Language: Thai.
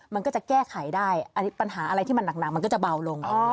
มันก็จะแก้ไขได้อันนี้ปัญหาอะไรที่มันหนักมันก็จะเบาลง